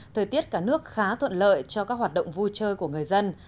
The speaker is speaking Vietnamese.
thời tiết cả nước khá thuận lợi cho các hoạt động vui chơi của người dân